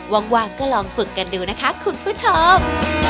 ว่างก็ลองฝึกกันดูนะคะคุณผู้ชม